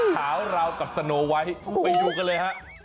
ข่าวเรากับสโนไว้ไปดูกันเลยฮะ